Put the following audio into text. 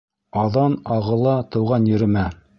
Аҙан ағыла тыуған еремә...